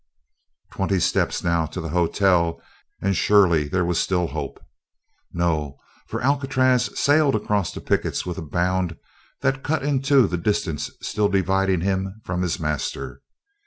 Twenty steps, now, to the hotel, and surely there was still hope. No, for Alcatraz sailed across the pickets with a bound that cut in two the distance still dividing him from his master.